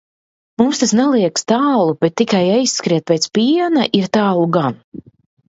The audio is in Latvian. Mums tas neliekas tālu, bet tikai aizskriet pēc piena ir tālu gan.